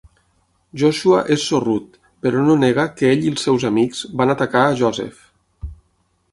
Joshua és sorrut, però no nega que ell i els seus amics van atacar a Joseph.